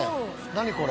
何これ？